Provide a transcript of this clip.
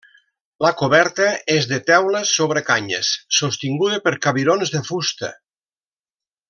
La coberta és de teules sobre canyes, sostinguda per cabirons de fusta.